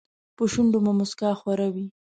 په شونډو مو موسکا خوره وي .